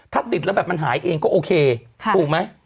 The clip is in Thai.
ถ้าติดแล้วแบบมันหายเองก็โอเคถูกไหม